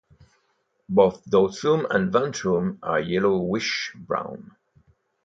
Both dorsum and ventrum are yellowish brown.